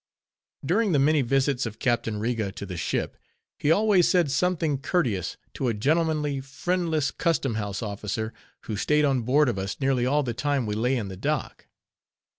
During the many visits of Captain Riga to the ship, he always said something courteous to a gentlemanly, friendless custom house officer, who staid on board of us nearly all the time we lay in the dock.